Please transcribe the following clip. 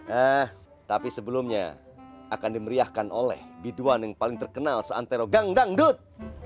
hah tapi sebelumnya akan dimeriahkan oleh biduan yang paling terkenal seantero gangdangdut